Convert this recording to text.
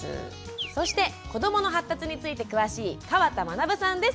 そして子どもの発達について詳しい川田学さんです。